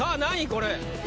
これ。